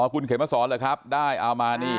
คุณเขมสอนเหรอครับได้เอามานี่